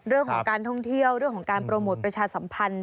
เรื่องของการท่องเที่ยวเรื่องของการโปรโมทประชาสัมพันธ์